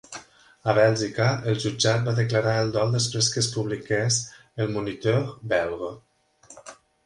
A Bèlgica, el jutjat va declarar el dol després que es publiqués al Moniteur Belge.